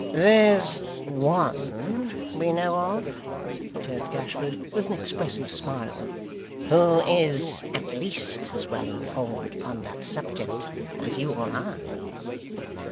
'There's one we know of,' returned Gashford, with an expressive smile, 'who is at least as well informed upon that subject as you or I.